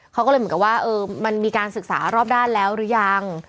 เขาก็เลยเหมือนกับว่ามันมีการศึกษารอบด้านแล้วหรือยัง